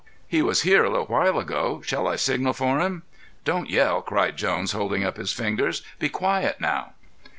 He was here a little while ago. Shall I signal for him?" "Don't yell," cried Jones holding up his fingers. "Be quiet now."